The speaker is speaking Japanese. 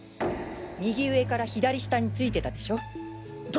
右上から左下についてたでしょ？た